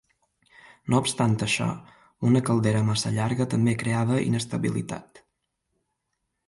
No obstant això, una caldera massa llarga també creava inestabilitat.